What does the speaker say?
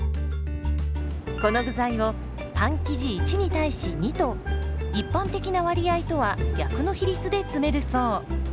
この具材をパン生地１に対し２と一般的な割合とは逆の比率で詰めるそう。